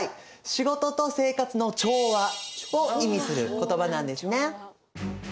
「仕事と生活の調和」を意味する言葉なんですね。